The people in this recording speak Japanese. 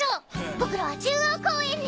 僕らは中央公園に。